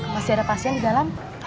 masih ada pasien di dalam